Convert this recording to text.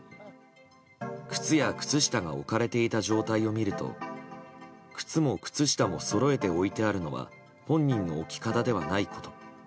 靴や靴下が置かれていた状態を見ると靴も靴下もそろえて置いてあるのは本人の置き方ではないこと。